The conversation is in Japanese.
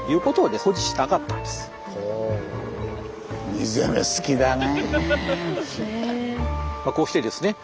水攻め好きだね。